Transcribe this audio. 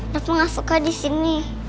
raffa nggak suka di sini